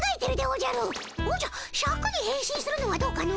おじゃシャクに変身するのはどうかの？